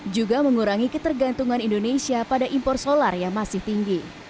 juga mengurangi ketergantungan indonesia pada impor solar yang masih tinggi